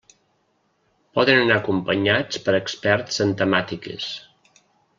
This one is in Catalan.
Poden anar acompanyats per experts en temàtiques.